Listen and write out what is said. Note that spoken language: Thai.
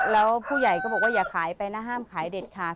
แล้วผู้ใหญ่ก็บอกว่าอย่าขายไปนะห้ามขายเด็ดขาด